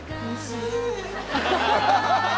アハハハ。